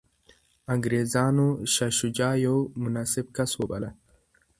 انګریزانو شاه شجاع یو مناسب کس وباله.